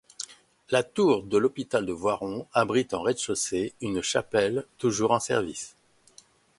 La tour de l'hôpital de Voiron abrite en rez-de-chaussée une chapelle, toujours en service.